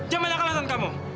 jangan banyak kalahkan kamu